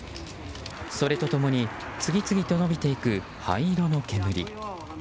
それと共に次々と伸びていく灰色の煙。